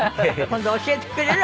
今度教えてくれる？